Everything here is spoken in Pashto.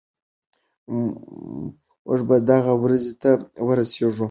موږ به دغې ورځې ته ورسېږو.